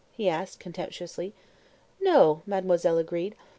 he asked contemptuously. "No," mademoiselle agreed.